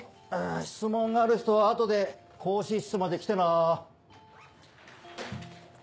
質問がある人は後で講師室まで来てな。